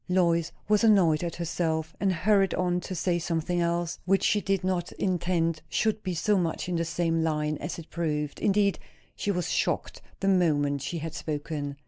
Lois was annoyed at herself; and hurried on to say something else, which she did not intend should be so much in the same line as it proved. Indeed, she was shocked the moment she had spoken.